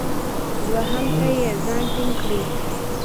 دوهم ته یې ځان ټینګ کړی.